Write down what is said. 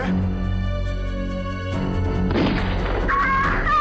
jangan berani berani ganggu orang tua gue ya